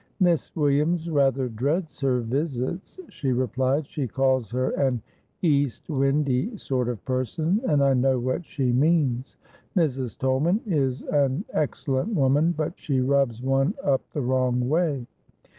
"Miss Williams rather dreads her visits," she replied. "She calls her an east windy sort of person, and I know what she means. Mrs. Tolman is an excellent woman, but she rubs one up the wrong way.